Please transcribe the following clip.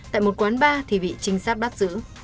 tại một quán bar thì bị trinh sát bắt giữ